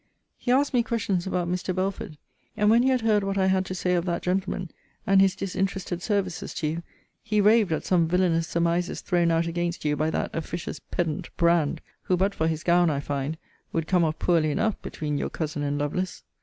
He asked me questions about Mr. Belford: and, when he had heard what I had to say of that gentleman, and his disinterested services to you, he raved at some villanous surmises thrown out against you by that officious pedant, Brand: who, but for his gown, I find, would come off poorly enough between your cousin and Lovelace.